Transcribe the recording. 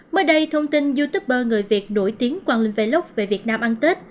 mới đây thông tin youtuber người việt nổi tiếng quang linh vlog về việt nam ăn tết